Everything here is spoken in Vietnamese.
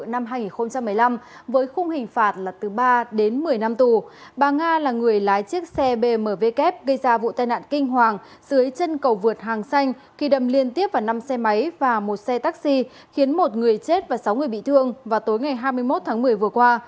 năm hai nghìn một mươi năm với khung hình phạt là từ ba đến một mươi năm tù bà nga là người lái chiếc xe bmwk gây ra vụ tai nạn kinh hoàng dưới chân cầu vượt hàng xanh khi đâm liên tiếp vào năm xe máy và một xe taxi khiến một người chết và sáu người bị thương vào tối ngày hai mươi một tháng một mươi vừa qua